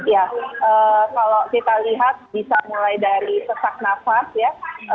ya kalau kita lihat bisa mulai dari sesak nafas ya